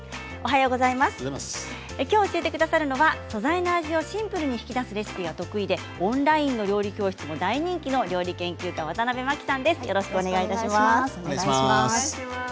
きょう教えてくださるのは素材の味をシンプルに引き出すレシピが得意でオンラインの料理教室も大人気の料理研究家ワタナベマキさんです。